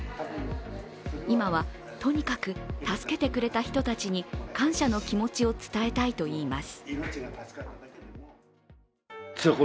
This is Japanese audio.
今はとにかく助けてくれた人たちに感謝の気持ちを伝えたいといいます。